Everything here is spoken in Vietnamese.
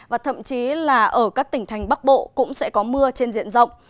và thậm chí là ở các tỉnh thành bắc bộ cũng sẽ có mưa trên diện rộng